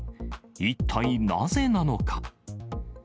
一体なぜなのか。